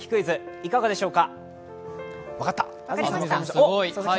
いかがでしょうか？